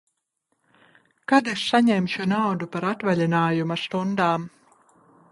Kad es saņemšu naudu par atvaļinājuma stundām?